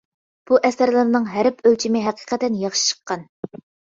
بۇ ئەسەرلەرنىڭ ھەرپ ئۆلچىمى ھەقىقەتەن ياخشى چىققان.